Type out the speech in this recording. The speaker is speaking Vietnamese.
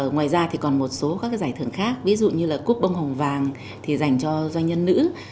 ngoài ra thì còn một số các giải thưởng khác ví dụ như là cúp bông hồng vàng thì dành cho doanh nhân nữ